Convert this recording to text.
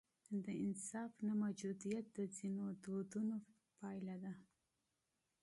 د انصاف نه موجودیت د ځینو دودونو پایله ده.